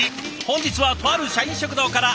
本日はとある社員食堂から。